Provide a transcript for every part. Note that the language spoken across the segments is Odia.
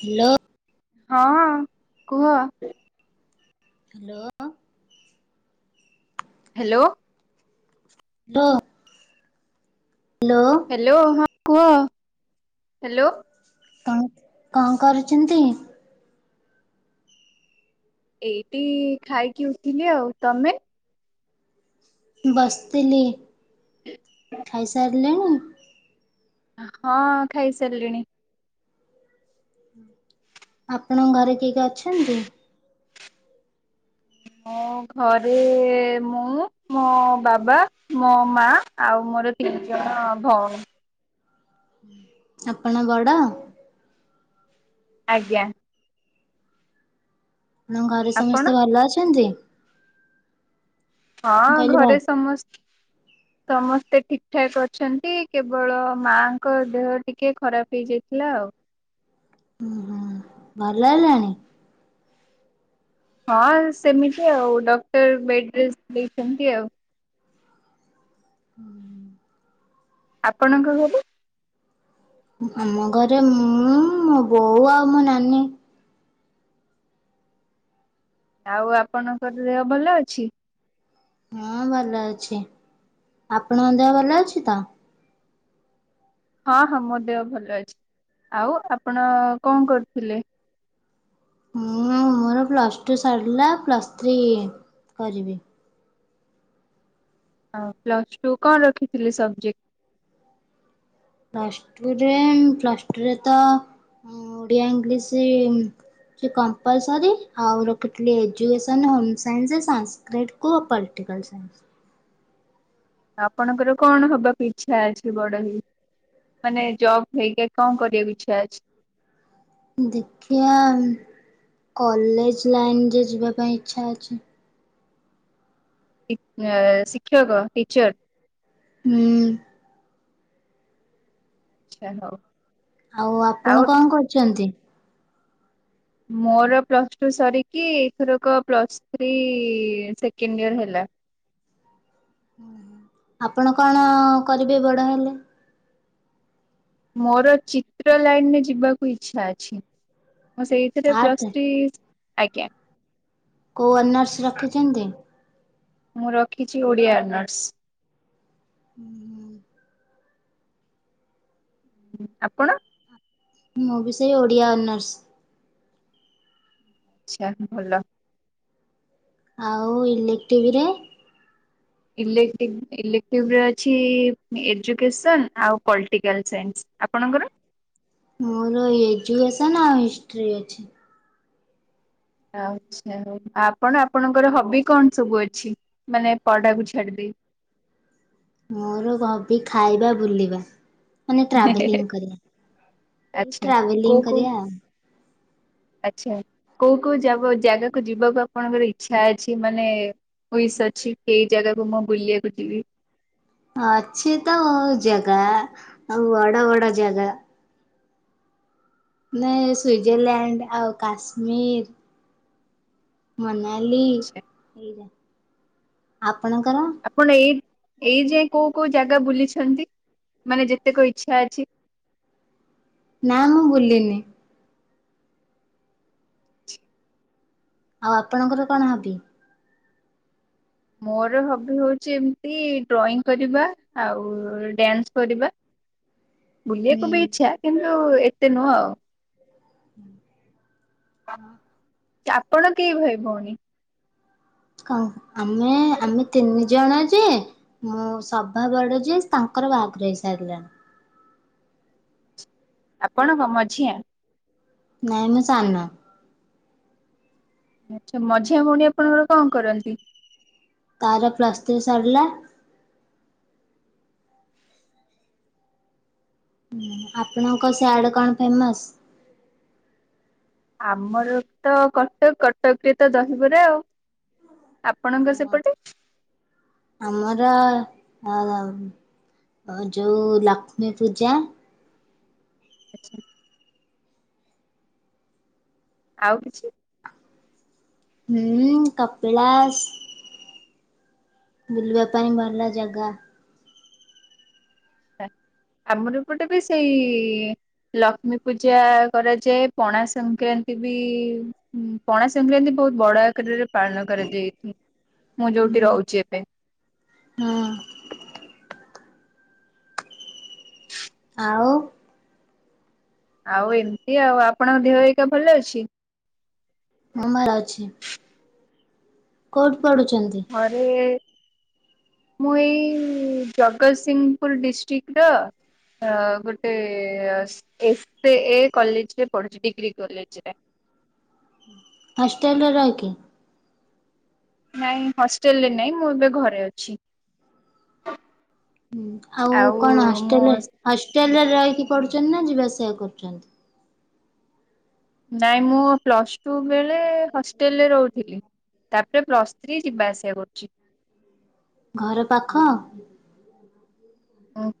ହ୍ୟାଲୋ। ହଁ କୁହ? ହ୍ୟାଲୋ। ହ୍ୟାଲୋ। [unintelligible] ହ୍ୟାଲୋ। ହ୍ୟାଲୋ ହଁ କୁହ ହ୍ୟାଲୋ। କଣ କଣ କରୁଛନ୍ତି? ଏଇଟି ଖାଇକି ଉଠଲି ଆଉ ତମେ? ବସିଥିଲି ଖାଇସାରିଲେଣି? ହଁ ଖାଇସାରିଲିଣି। ଆପଣଙ୍କ ଘରେ କିଏ କିଏ ଅଛନ୍ତି? ମୋ ଘରେ- ମୁଁ ମୋ ବାବା ମୋ ମା ଆଉ ମୋର ତିିନ୍ ଜଣ ଭଉଣୀ। [inaudible] ଆପଣ ବଡ? ଆଜ୍ଞା। ନ ଘରେ ଆପଣ ସମସ୍ତେ ଭଲ ଅଛନ୍ତି? ମୁଁ ହଁ କହିଲି ଭଲ ଘରେ ସମସ୍ତ [inaudible] ସମସ୍ତେ ଠିକ ଠାକ୍ ଅଛନ୍ତି କେବଳ ମାଙ୍କ ଦେହ ଟିକେ ଖରାପ ହେଇଯାଇଥିଲା ଆଉ। ଉ ହଁ ଭଲ ହେଲାଣି? ହଁ ସେମିତି ଆଉ ଡକ୍ଟର ବେଡ୍ ରେଷ୍ଟ୍ ଦେଇଛନ୍ତି ଆଉ। ହୁଁ। ଆପଣଙ୍କ ଘରେ? ଆମ ଘରେ ମୁଁ ମୋ ବୋଉ ଆଉ ମୋ ନାନୀ। ଆଉ ଆପଣଙ୍କର ଦେହ ଭଲ ଅଛି? ହଁ ଭଲ ଅଛି ଆପଣଙ୍କ ଦେହ ଭଲ ଅଛି ତ? ହଁ ହଁ ମୋ ଦେହ ଭଲ ଅଛି ଆଉ ଆପଣ କଣ କରୁଥିଲେ? ମୁଁ ମୋର ପ୍ଲସ୍ ଟୁ ସାରିଲା ପ୍ଲସ୍ ଥ୍ରୀ କରିବି। ଆଉ ପ୍ଲସ ଟୁ କଣ ରଖିଥିଲେ ସବଜେକ୍ଟ। ପ୍ଲସ ଟୁରେ ପ୍ଲସ ଟୁରେ ତ ଓଡିଆ ଇଂଲିଶ ସେ କମ୍ପାଲସରି ଆଉ ରଖିଥିଲ ଏଜୁକେସନ ହୋମ ସାଇନ୍ସ ଆଉ ସ୍ସଂସ ଗେଟକୁ ପଲିଟିକାଲ ସାଇନ୍ସ ଆପଣଙ୍କର କଣ ହବାକୁ ଇଚ୍ଛା ଅଛି ବଡ ହେଇ? ମାନେ ଜବ୍ ହେଇକା କଣ କରିବାକୁ ଇଛା ଅଛି? ଦେଖିବା କଲେଜ ଲାଇନରେ ଯିବା ପାଇଁ ଇଚ୍ଛା ଅଛି। ଉଁ ଶିକ୍ଷକ ଟିଚର। ହୁଁ। ଆଚ୍ଛା ହଉ ଆଉ ଆପଣ କଣ କରୁଛନ୍ତି? ମୋର ପ୍ଲସ୍ ଟୁ ସରିକି ଏଥରକ ପ୍ଲସ୍ ଥ୍ରୀ ସେକେଣ୍ଡ ଇଅର ହେଲା ଆପଣ କଣ କରିବେ ବଡ଼ ହେଲେ? ମୋର ଚିତ୍ର ଲାଇନରେ ଯିବାକୁ ଇଚ୍ଛା ଅଛି ମୁଁ ସେଇଥିରେ ଆର୍ଟ ପ୍ଲସ୍ ଥ୍ରୀ ଆଜ୍ଞା। କୋଉ ଅନର୍ସ ରଖିଛନ୍ତି? ମୁଁ ରଖିଛି ଓଡ଼ିଆ ଅନର୍ସ ହୁଁ। ଆପଣ? ମୁଁ ବି ସେଇ ଓଡିଆ ଅନର୍ସ। ଆଚ୍ଛା ଭଲ। ଆଉ ଇଲେକ୍ଟ୍ରିଭିରେ ଇଲେକଟିବ୍ ଇଲେକ୍ଟିଭ୍ରରେ ଅଛି ଏଜୁକେସନ୍ ଆଉ ପଲିଟିକାଲ ସାଇନ୍ସ ଆପଣଙ୍କର? ମୋର ଏଜୁକସନ ଆଉ ହିଷ୍ଟ୍ରି ଅଛି। ଆଛା ଆପଣ ଆପଣଙ୍କର ହବି କଣ ସବୁ ଅଛି ମାନେ ପଢାକୁ ଛାଡିଦେଇ? ମୋର ହବି ଖାଇବା ବୁଲିବା। ମାନେ ଟ୍ରାଭେଲିଂ କରିବା ଏଇ ଆଚ୍ଛା କୋଉ ଟ୍ରାଭେଲିଂ କୋଉ କରିବା। ଆଚ୍ଛା କୋଉ କୋଉ ଯ ଜାଗାକୁ ଯିବାକୁ ଆପଣଙ୍କର ଇଚ୍ଛା ଅଛି ମାନେ ଉଇସ୍ ଅଛି ସେଇ ଜାଗାକୁ ମୁଁ ବୁଲିବାକୁ ଯିବି? ଅଛି ତ ଉ ଜାଗା ଆଉ ବଡ ବଡ ଜାଗା ମାନେ ସୁଇଜରଲ୍ୟାଣ୍ଡ ଆଉ କାଶ୍ମୀର ମନାଲି ଆଚ୍ଛା ଆପଣଙ୍କର? ଆପଣ ଏଇ ଏଇ ଯାଏ କୋଉ କୋଉ ଜାଗା ବୁଲିଛନ୍ତି ମାନେ ଯେତେକ ଇଚ୍ଛା ଅଛି? ନା ମୁଁ ବୁଲିିନି। ଆଉ ଆପଣଙ୍କର କଣ ହବି? ମୋର ହବି ହଉଛି ଏମିତି ଡ୍ରଇଂ କରିବା ଆଉ ଡ୍ୟାନ୍ସ କରିବା। ହ [unintelligible] ବୁଲିବାକୁ ବି ଇଚ୍ଛା କିନ୍ତୁ ଏତେ ନୁହଁ ଆଉ ହଁ। ଆପଣ କେଇ ଭାଇ ଭଉଣୀ? ହଉ ଆମେ ଆମେ ତିନି ଜଣ ଯେ ମୁଁ ସଭା ବଡ ଯିଏ ତାଙ୍କର ବାହାଘର ହେଇ ସାରିଲାଣି ଆପଣ କଁ ମଝିଆ ନାଇଁ ମୁଁ ସାନ ସେ ମଝିଆ ଭଉଣୀ ଆପଣଙ୍କର କଣ କରନ୍ତି? ତାର ପ୍ଲସ ଥ୍ରି ସରିଲା। ଆପଣଙ୍କ ସିଆଡ କଣ ଫେମସ ଆମର ତ କଟକ କଟକରେ ତ ଦହିବରା ଆଉ ଆପଣଙ୍କ ସେପଟେ ଆମର ଯୋଉ ଲକ୍ଷ୍ମୀ ପୂଜା ଆଛା [unintelligible] ଆଉ କିଛି ହୁଁ କପିଳାସ ବୁଲିବା ପାଇଁ ଭଲ ଜାଗା ଆଛା ଆମର ଏପଟେ ବି ସେଇ ଲକ୍ଷ୍ମୀ ପୂଜା କରାଯାଏ ପଣା ସଂକ୍ରାନ୍ତି ବି ପଣା ସଂକ୍ରାନ୍ତି ବହୁତ ବଡ ଆକାରରେ ପାଳନ କରାଯାଏ ମୁଁ ଯୋଉଠି ରହୁଛି ଏବେ ହଁ ଆଉ? ଆଉ ଏମିତି ଆଉ ଆପଣଙ୍କ ଦେହ ଏଇକା ଭଲ ଅଛି। ମୁଁ ଭଲ ଅଛି କୋଉଠି ପଢୁଛନ୍ତି? ଘରେ ମୁଁ ଏଇ ଜଗତସିଂହପୁର ଡିଷ୍ଟ୍ରିକ୍ଟ ର ଅ ଗୋଟେ ଏ ଏ କଲେଜରେ ପଢୁଛି ଡିଗ୍ରୀ କଲେଜରେ। ହାଷ୍ଟେଲ୍ ରେ ରହିକି। ନାଇଁ ହଷ୍ଟେଲରେ ନାଇଁ ମୁଁ ଏବେ ଘରେ ଅଛି। ଆଉ କଣ ମୁଁ ହଷ୍ଟେଲରେ ହଷ୍ଟେଲରେ ରହିକି ପଡୁଛନ୍ତି ନା ଯିବା ଆସିବା କରୁଛନ୍ତି। ନାଇଁ ମୁଁ ପ୍ଲସ୍ ଟୁ ବେଳେ ହଷ୍ଟେଲରେ ରହୁଥିଲି। ତାପରେ ପ୍ଲସ୍ ଥ୍ରି ଯିବା ଆସିବା କରୁଛି। ଘର ପାଖ।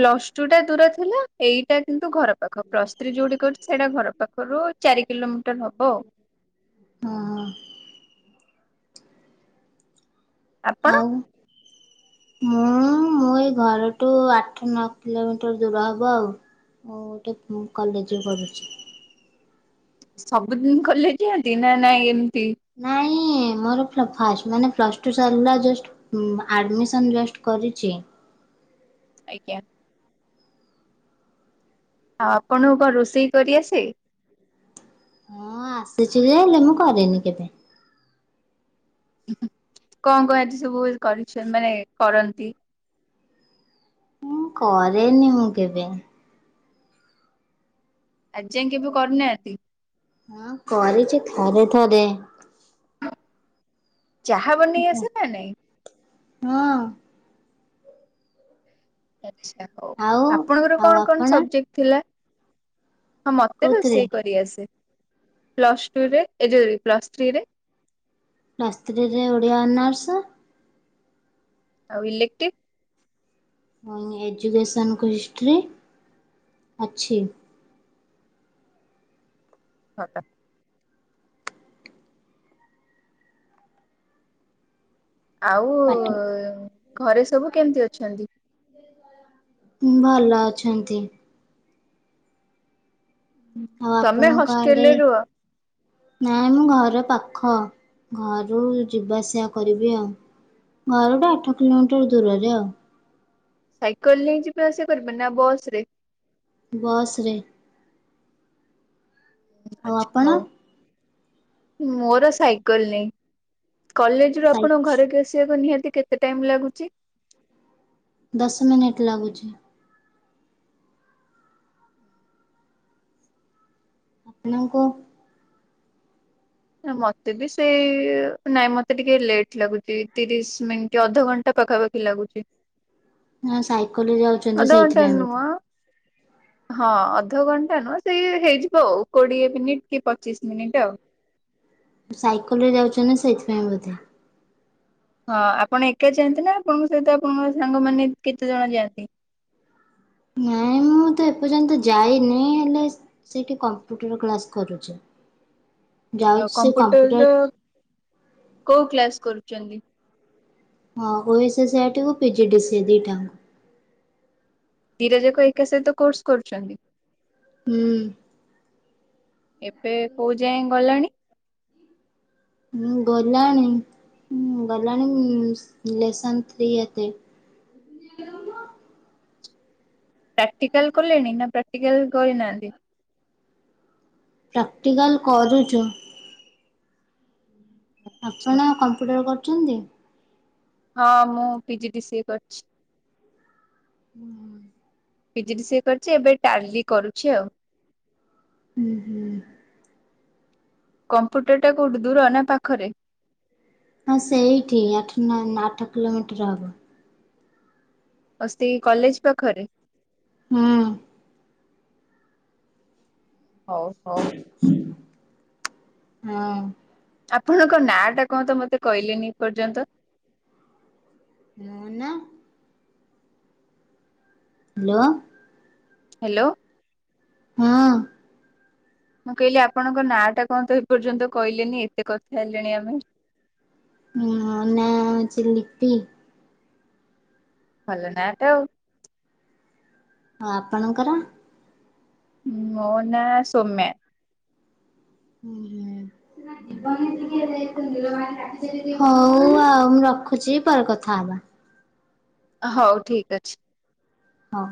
ପ୍ଲସ ଟୁ ଟା ଦୂର ଥିଲା ଏଇଟା କିନ୍ତୁ ଘର ପାଖ ପ୍ଲସ ଥ୍ରୀ ଯୋଉଠି କରୁଛି ସେଇଟା ଘର ପାଖ। ପାଖରୁ ଚାରି କିଲୋମିଟର ହବ ଆଉ। ଓହ। ଆପଣ? ଆଉ? ମୁଁ ମୋ ଏଇ ଘରଠୁ ଆଠ ନଅ କିଲୋମିଟର ଦୂର ହେବ ଆଉ। ମୁଁ ଗୋଟେ କଲେଜରେ ପଢ଼ୁଛି। ସବୁଦିନ କଲେଯ ଯାଅଟି ନା ନାଇଁ ଏମିତି। ନାଇଁ ମୋର ଫାଷ୍ଟ ମାନେ ପ୍ଲସ ଟୁ ସରିଲା ଜଷ୍ଟ। ଆଡମିସନ ଜଷ୍ଟ କରିଛି। ଆଜ୍ଞା ଆଉ ଆପଣଙ୍କୁ କଣ ରୋଷେଇ କରି ଆସେ? ହଁ ଆସିଛି ଯେ ହେଲେ ମୁଁ କରିନି କେବେ। କଣ କଣ ଏଠି ସବୁ କରିଛ ମାନେ କରନ୍ତି। ମୁଁ କରେନି ମୁଁ କେବେ। ଆଜି ଯାଏ କେବେ କରିନାହାନ୍ତି। ହଁ କରିଛି ଥରେ ଥରେ। ଚାହା ବନେଇ ଆସେ ନା ନାଇଁ। ହଁ ଆଛା ହଉ ଆଉ ଆପଣଙ୍କର ଆଉ କଣ କଣ ଆପଣ ସବଜେକ୍ଟ ଥିଲା? ହଁ ମତେ କୋଉଥିରେ? ରୋଷେଇ କରିଆସେ ପ୍ଲସ ଟୁରେ ଏ ଯ ପ୍ଲସ୍ ଥ୍ରୀରେ କ୍ଲାସ୍ ଥ୍ରୀରେ ଓଡ଼ିଆ ଅନର୍ସ। ଆଉ ଇଲେକ୍ଟିଭ? ମୁ ଏଜୁକେସନ୍ କୁ ହିଷ୍ଟ୍ରି ଅଛି। ହ। ଆଉ ପାଠ ଘରେ ସବୁ କେମିତି ଅଛନ୍ତି? ଭଲ ଅଛନ୍ତି। ଆଉ ତମେ ଆପଣଙ୍କ ଆଡ଼େ ହଷ୍ଟେଲରେ ରୁହ ନାଇଁ ମୁଁ ଘର ପାଖ ଘରୁ ଯିବା ଆସିବା କରିବି ଆଉ। ଘରକୁ ଆଠ କିଲୋମିଟର ଦୂରରେ ଆଉ ସାଇକେଲ ନେଇ ଯିବେ ଆସିଵା କରିବେ ନା ବସରେ? ବସ୍ ରେ ଆଉ ଆଚ୍ଛା ଆପଣ? ହଉ ମୋର ସାଇକଲ ନାହିଁ। କଲେଜ ରୁ ସାଇ ଆପଣ ଘରକୁ ଆସିବାକୁ ନିହାତି କେତେ ଟାଇମ ଲାଗୁଛି? ଦଶ ମିନିଟ୍ ଲାଗୁଛି। ଆପଣଙ୍କୁ ନା ମତେ ବି ସେଇ ନାଇଁ ମତେ ଟିକେ ଲେଟ୍ ଲାଗୁଛି ତିରିଶ ମିନିଟ୍ ଅଧଘଣ୍ଟା ପାଖାପାଖି ଲାଗୁଛି। ନା ସାଇକେଲରେ ଯାଉଛନ୍ତି ଅଧଘଣ୍ଟା ସେଇଥିପାଇଁ ନୁହଁ ବୋଲି ହଁ ଅଧଘଣ୍ଟା ନୁହଁ ସେଇ ହେଇଯିବ ଆଉ କୋଡିଏ ମିନିଟ କି ପଚିଶ ମିନିଟ ଆଉ। ସାଇକେଲ ରେ ଯାଉଛନ୍ତି ନା ସେଇଥିପାଇଁ ବୋଧେ। ହଁ ଆପଣ ଏକା ଯାଆନ୍ତି ନା ଆପଣଙ୍କ ସହିତ ଆପଣଙ୍କ ସାଙ୍ଗମାନେ କେତେ ଜଣ ଯାଆନ୍ତି? ନାଇଁ ମୁଁ ତ ଏପର୍ଯ୍ୟନ୍ତ ଯାଇନି ହେଲେ ସେଠି କମ୍ପୁଟର କ୍ଲାସ କରୁଛି। ଆଉ ଯାଉଛି ସେ କମ୍ପ୍ୟୁଟର ର କୋଉ କ୍ଲାସ କରୁଛନ୍ତି? ହଁ ଓସେ ସିଆଟକୁ P G D C A ଦିଟା ହାଙ୍କ। ଦିଟା ଜାକ ଏକା ସହିତ କୋର୍ସ କରୁଛନ୍ତି? ହୁଁ। ଏବେ କୋଉ ଯାଏ ଗଲାଣି? ହୁଁ ଗଲାଣି ଉଁ ଗଲାଣି ଲେସନ ଥ୍ରୀ ହାତେ। ପ୍ରାକ୍ଟିକାଲ କଲେଣି ନା ପ୍ରାକ୍ଟିକାଲ କରିନାହାନ୍ତି? ପ୍ରାକ୍ଟିକାଲ କରୁଛୁ। ଆପଣ କମ୍ପ୍ୟୁଟର କରୁଛନ୍ତି? ହଁ, ମୁଁ P G D C A କରିଛି। ହୁଁ। P G D C A କରିଛି ଏବେ ଟାଲି କରୁଛି ଆଉ। ଉଁ ହୁଁ। କମ୍ପ୍ୟୁଟର ଟା କୋଉଠି ଦୂର ନା ପାଖରେ? ହଁ ସେଇଠି ଆଠ ନଅ ଆଠ କିଲୋମିଟର ହବ। ଓ ସେଇ କଲେଜ ପାଖରେ। ହୁଁ। ହଉ ହଉ। ହଁ। ଆପଣଙ୍କ ନାଁ ଟା କଣ ତ ମତେ କହିଲେନି ଏ ପର୍ଯ୍ୟନ୍ତ? ମୋ ନା ହ୍ୟାଲୋ। ହ୍ୟାଲୋ। ହଁ। ମୁଁ କହିଲି ଆପଣଙ୍କ ନାଁ ଟା କଣ ତ ଏ ପର୍ଯ୍ୟନ୍ତ କହିଲେନି ଏତେ କଥା ହେଲେଣି ଆମେ? ମୋ ନାଁ ହଉଛି ଲିପି। ଭଲ ନାଁ ଟା ଆଉ। ଆଉ ଆପଣଙ୍କର? ମୋ ନା ସୌମ୍ୟା। ଉହୁଁ ହଉ ଆଉ ମୁଁ ରଖୁଛି ପରେ କଥା ହବା। ହଉ ଠିକ୍ ଅଛି। ହଁ।